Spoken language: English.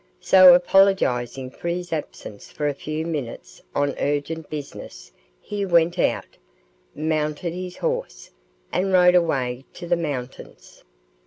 So apologising for his absence for a few minutes on urgent business, he went out, mounted his horse, and rode away to the mountains.